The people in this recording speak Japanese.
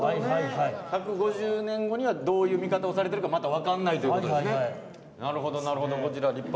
１５０年後にはどういう見方をされてるかまた分からないということですね。